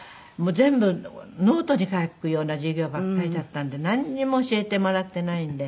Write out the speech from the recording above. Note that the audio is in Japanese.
全部ノートに書くような授業ばっかりだったんでなんにも教えてもらっていないんで。